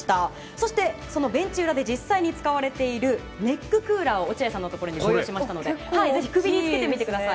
そして、そのベンチ裏で実際に使われているネッククーラーを落合さんのところに用意しましたのでぜひ首につけてみてください。